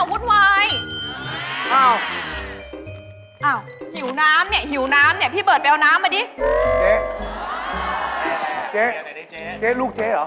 ก็นั่นเหรอดิเฮ่ยขอบคุณชายพี่บอล